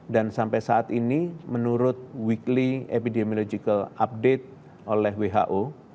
dan sampai saat ini menurut weekly epidemiological update oleh who